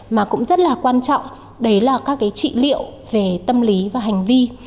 mà cũng rất là quan trọng đấy là các cái trị liệu về tâm lý và hành vi